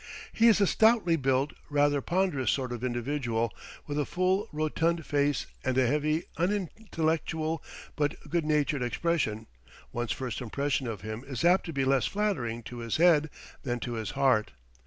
He is a stoutly built, rather ponderous sort of individual, with a full, rotund face and a heavy, unintellectual, but good natured expression; one's first impression of him is apt to be less flattering to his head than to his heart.